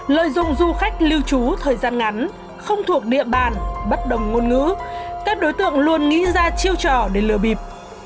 lợi dụng du khách lưu trú thời gian ngắn không thuộc địa bàn bất đồng ngôn ngữ các đối tượng luôn nghĩ ra chiêu trò để lừa bịp